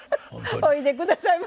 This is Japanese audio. おいでくださいませ。